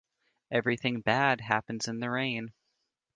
Everything bad happens in the rain.